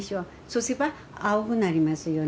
そうすれば青くなりますよ。